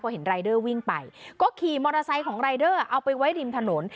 พอเห็นรายเดอร์วิ่งไปก็ขี่มอเตอร์ไซค์ของรายเดอร์เอาไปไว้ริมถนน